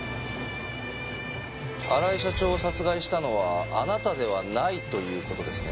荒井社長を殺害したのはあなたではないという事ですね？